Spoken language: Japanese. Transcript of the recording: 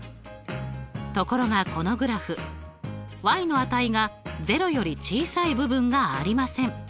ところがこのグラフの値が０より小さい部分がありません。